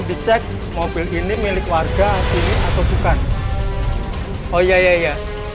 dicek mobil ini milik warga sini atau bukan oh iya iya